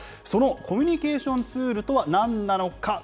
そのコミュニケーションツールとはなんなのか。